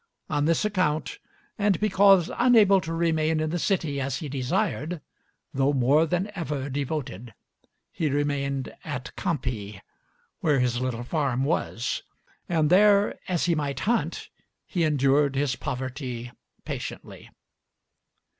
On this account, and because unable to remain in the city as he desired, though more than ever devoted, he remained at Campi, where his little farm was; and there, as he might hunt, he endured his poverty patiently.